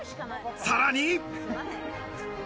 さらに。